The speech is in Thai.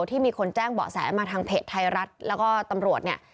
ที่มีคนแจ้งเบาะแสมาทางเพจไทยรัฐแล้วก็ตำรวจเนี่ย